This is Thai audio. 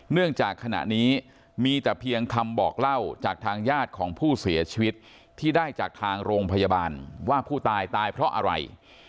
เนื่องจากขณะนี้มีแต่เพียงคำบอกเล่าจากทางญาติของผู้เสียชีวิตที่ได้จากทางโรงพยาบาลว่าผู้ตายตายเพราะอะไร